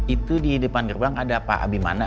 itu di depan gerbang ada pak abimana